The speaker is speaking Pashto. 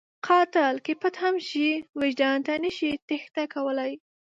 قاتل که پټ هم شي، وجدان ته نشي تېښته کولی